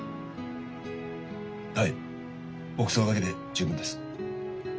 はい牧草だけで十分です。